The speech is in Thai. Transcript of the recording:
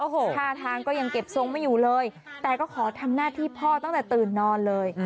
ท่าทางก็ยังเก็บทรงไม่อยู่เลยแต่ก็ขอทำหน้าที่พ่อตั้งแต่ตื่นนอนเลย